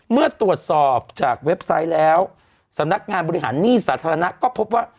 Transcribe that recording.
เมื่อตรวจสอบจากเว็บไซต์แล้วสำนักงานบริหารหนี้สาธารณะก็พบว่า